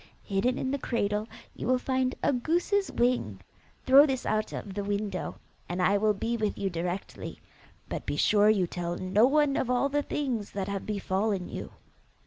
Hidden in the cradle, you will find a goose's wing: throw this out of the window, and I will be with you directly; but be sure you tell no one of all the things that have befallen you.